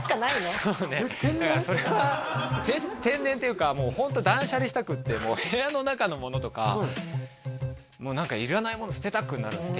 だからそれは天然っていうかもうホント断捨離したくって部屋の中のものとかもう何かいらないもの捨てたくなるんです